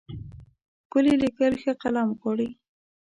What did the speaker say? ښکلي لیکل ښه قلم غواړي.